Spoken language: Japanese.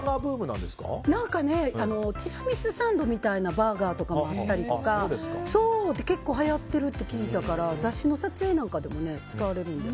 ティラミスサンドみたいなバーガーとかもあったりとか結構はやってるって聞いたから雑誌の撮影なんかでも使われるので。